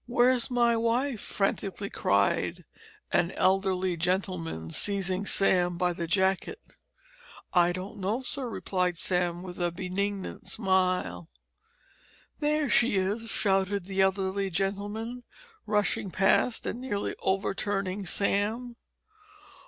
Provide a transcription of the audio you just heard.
"Where's my wife?" frantically cried an elderly gentleman, seizing Sam by the jacket. "I don't know, sir," replied Sam with a benignant smile. "There she is," shouted the elderly gentleman, rushing past and nearly overturning Sam.